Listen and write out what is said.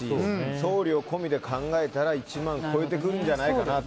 送料込みで考えたら、１万を超えてくるんじゃないかなと。